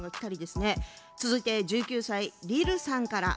続いて１９歳、りるさんから。